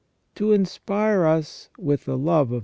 To inspire us with the love of * S.